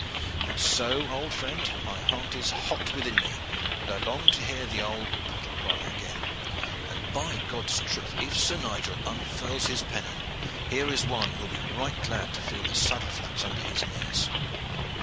And so, old friend, my heart is hot within me, and I long to hear the old battle cry again, and, by God's truth! if Sir Nigel unfurls his pennon, here is one who will be right glad to feel the saddle flaps under his knees."